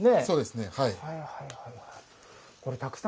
そうですねはい。